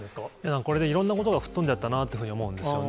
これでいろんなことがふっとんじゃったなって思うんですよね。